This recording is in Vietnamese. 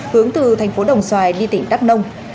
hướng từ thành phố đồng xoài đi tỉnh đắk nông